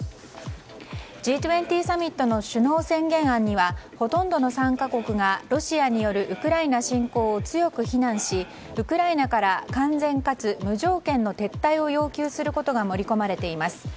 Ｇ２０サミットの首脳宣言案にはほとんどの参加国がロシアによるウクライナ侵攻を強く非難しウクライナから完全かつ無条件の撤退を要求することが盛り込まれています。